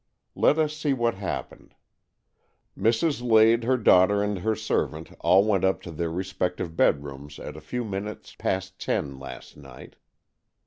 Let us see what happened. Mrs. Lade, her daughter and her servant, all went up to their respective bedrooms at a few minutes past ten last night.